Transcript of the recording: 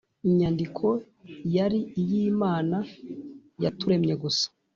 inyandiko yari iy Imana yaturemye gusa